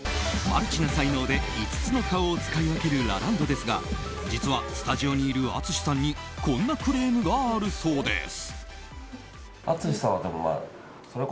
マルチな才能で、５つの顔を使い分けるラランドですが実は、スタジオにいる淳さんにこんなクレームがあるそうです。